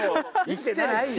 生きてないよ。